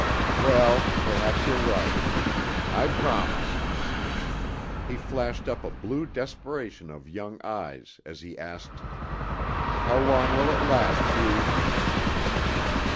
"Well, perhaps you're right. I promise." He flashed up a blue desperation of young eyes as he asked: "How long will it last, Hugh?"